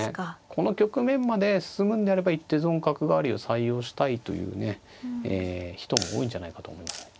この局面まで進むんであれば一手損角換わりを採用したいという人も多いんじゃないかと思いますね。